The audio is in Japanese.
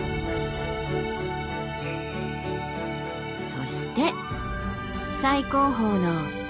そして最高峰の富士山。